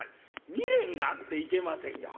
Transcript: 未練があっていけませんよ。